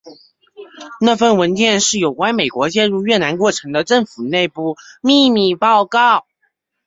那份文件是有关美国介入越南过程的政府内部秘密报告。